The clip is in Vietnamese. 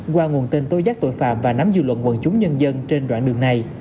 qua nguồn tin tối giác tội phạm và nắm dư luận quần chúng nhân dân trên đoạn đường này